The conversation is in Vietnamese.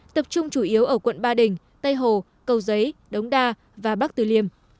tập trung chủ yếu ở quận ba đình tây hồ cầu giấy đống đa và bắc từ liêm